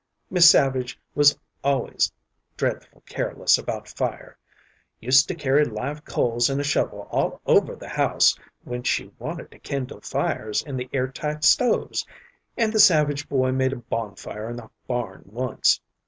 Mis' Savage was always dreadful careless about fire — used to carry live coals in a shovel all over the house when she wanted to kindle fires in the air tight stoves, and the Savage boy made a bonfire in the barn once.